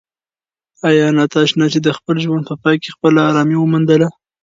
ایا ناتاشا د خپل ژوند په پای کې خپله ارامي وموندله؟